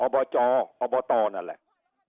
อบจอบตนั่นแหละ